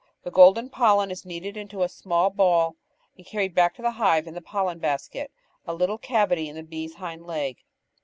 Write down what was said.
The golden pollen is kneaded into a little ball and carried back to the hive in the "pollen basket," a little cavity in the bee's hind leg.